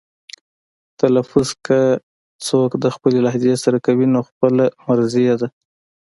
تلفظ که څوک د خپلې لهجې سره کوي نو خپله مرزي یې ده.